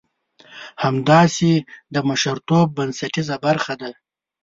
همداسې د مشرتوب بنسټيزه برخه ده.